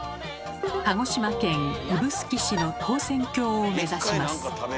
鹿児島県指宿市の唐船峡を目指します。